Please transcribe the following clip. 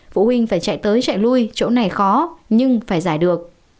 phụ huynh phải chạy tới chạy lui chỗ này khó nhưng phải giải được